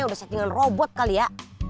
udah settingan robot kali ya